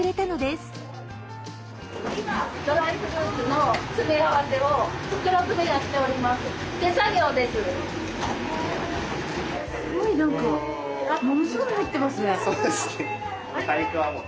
すごい何かものすごい入ってますね。